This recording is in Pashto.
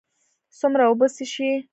څومره اوبه څښئ؟